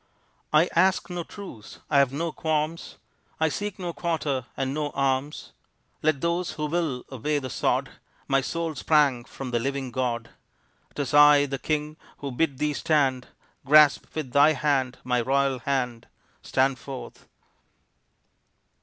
I ask no truce, I have no qualms, I seek no quarter and no alms. Let those who will obey the sod, My soul sprang from the living God. 'Tis I, the king, who bid thee stand; Grasp with thy hand my royal hand Stand forth!